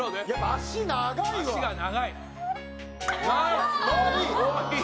足が長い！